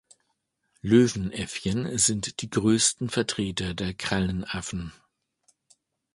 Löwenäffchen sind die größten Vertreter der Krallenaffen.